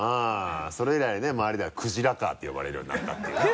それ以来ね周りではクジラカーって呼ばれるようになったっていうね。